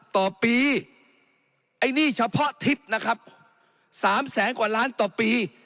ต่อปีไอ้นี่เฉพาะทิศนะครับ๓แสนกว่าล้านต่อปี